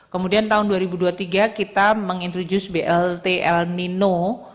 kemudian tahun dua ribu dua puluh tiga kita mengintroduce blt el nino